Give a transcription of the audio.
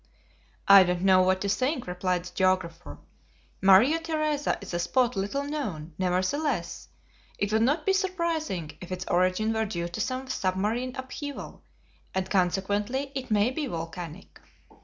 "I don't know what to think," replied the geographer; "Maria Theresa is a spot little known; nevertheless, it would not be surprising if its origin were due to some submarine upheaval, and consequently it may be volcanic."